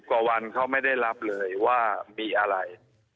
กว่าวันเขาไม่ได้รับเลยว่ามีอะไร